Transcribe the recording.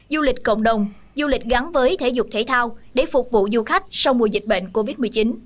du lịch cộng đồng du lịch gắn với thể dục thể thao để phục vụ du khách sau mùa dịch bệnh covid một mươi chín